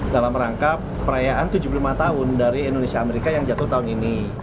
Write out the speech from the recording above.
dalam rangka perayaan tujuh puluh lima tahun dari indonesia amerika yang jatuh tahun ini